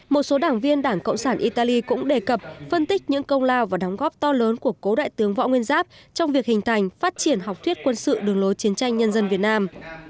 một số đảng viên đảng cộng sản italy cũng đề cập phân tích những công lao và đóng góp to lớn của cố đại tướng võ nguyên giáp trong việc hình thành phát triển học thuyết quân sự đường lối chiến tranh nhân dân việt nam